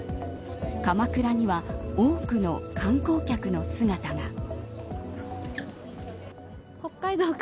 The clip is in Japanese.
鎌倉には多くの観光客の姿が。